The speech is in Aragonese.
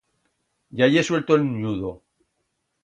Ya ye suelto el nyudo.